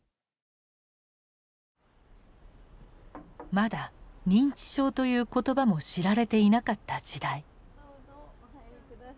まだ認知症という言葉も知られていなかった時代。